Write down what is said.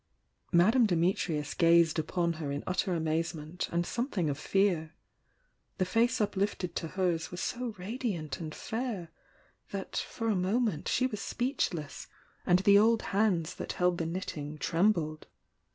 Madame Dimitrius gazed upon her in utter amazement and something of fear. The face up lifted to hers was so radiant and fair that for a moment she was speechless, and the old hands that held the knitting trembled.